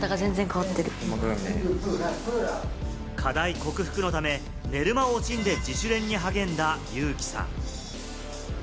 課題克服のため、寝る間を惜しんで自主練に励んだユウキさん。